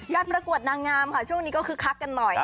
การปรากฏนางามช่วงนี้ก็คลักกันหน่อย